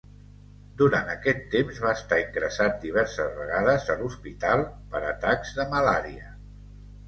Durant aquest temps, va estar ingressat diverses vegades a l'hospital per atacs de malària.